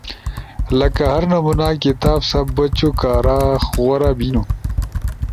لکہ ہر نمونا کتاب سا بچو کارا غورا بینو۔